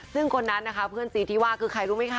ซึ่งคนนั้นนะคะเพื่อนซีที่ว่าคือใครรู้ไหมคะ